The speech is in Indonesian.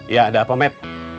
ya ada apa meb